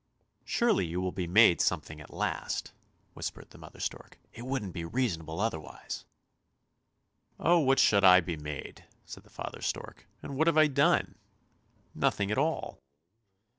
" Surely you will be made something at last," whispered the mother stork. " It wouldn't be reasonable otherwise." " Oh, what should I be made? " said the father stork; " and what have I done? Nothing at all!